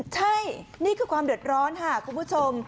ใช่นี่คือความเดือดร้อนค่ะคุณผู้ชม